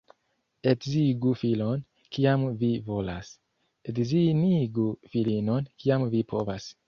Edzigu filon, kiam vi volas, — edzinigu filinon, kiam vi povas.